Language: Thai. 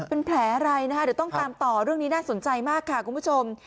เป็นแผลอะไรนะคะเดี๋ยวต้องตามต่อเรื่องนี้น่าสนใจมากค่ะคุณผู้ชม